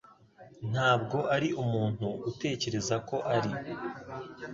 ntabwo ari umuntu utekereza ko ari.